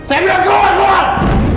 saya bilang keluar pak